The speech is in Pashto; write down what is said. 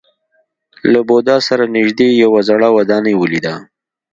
له بودا سره نژدې یوه زړه ودانۍ ولیده.